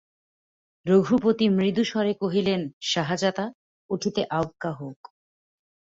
রঘুপতি মৃদুস্বরে কহিলেন, শাহাজাদা, উঠিতে আজ্ঞা হউক।